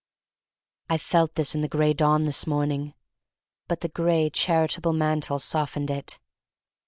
, I felt this in the Gray Dawn this morning, but the gray charitable man tle softened it.